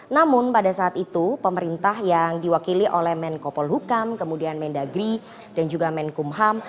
namun pada saat itu pemerintah yang diwakili oleh menko polhukam kemudian mendagri dan juga menkumham